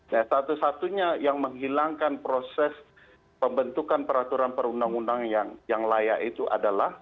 nah satu satunya yang menghilangkan proses pembentukan peraturan perundang undang yang layak itu adalah